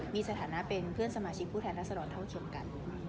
มีสถานะเป็นเพื่อนสมาชิกผู้แทนรัศดรเท่าเทียมกัน